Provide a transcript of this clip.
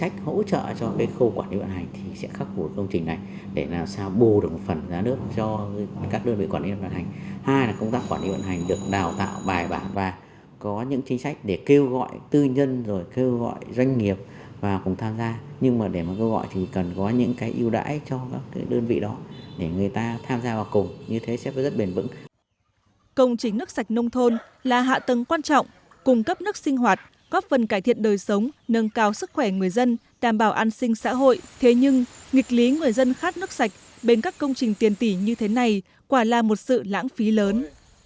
công trình nước sạch nông thôn là hạ tầng quan trọng cung cấp nước sinh hoạt góp phần cải thiện đời sống nâng cao sức khỏe người dân đảm bảo an sinh xã hội thế nhưng nghịch lý người dân khát nước sạch bên các công trình tiền tỷ như thế này quả là một sự lãng phí lớn